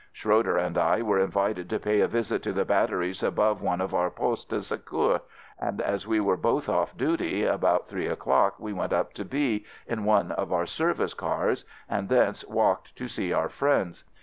Schroeder and I were invited to pay a visit to the batteries above one of our postes de secour, and as we were both off duty, about three o'clock we went up to B in one of our service cars and thence walked to see our friends.